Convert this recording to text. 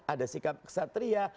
ada sikap ksatria